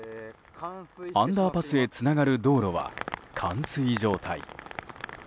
アンダーパスへつながる道路は冠水状態。